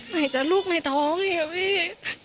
ไหนจะลุกในท้องอีกค่ะพี่